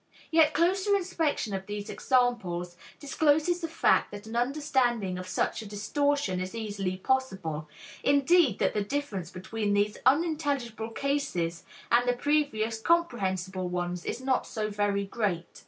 Yet closer inspection of these examples discloses the fact that an understanding of such a distortion is easily possible, indeed, that the difference between these unintelligible cases and the previous comprehensible ones is not so very great.